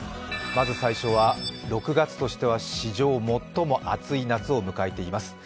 まず最初は６月としては史上最も暑い夏を迎えています。